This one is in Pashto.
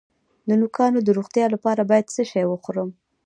د نوکانو د روغتیا لپاره باید څه شی وخورم؟